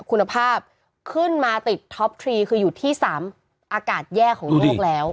คุณภาพขึ้นมาติดท็อปทรีคืออยู่ที่๓อากาศแย่ของโลกแล้ว